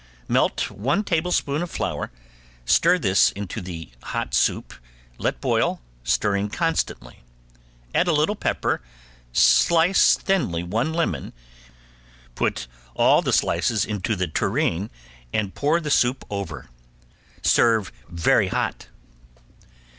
Melt one tablespoonful of flour, stir this into the hot soup, let boil, stirring constantly; add a little pepper, slice thinly one lemon, put all the slices into the tureen and pour the soup over. Serve very hot.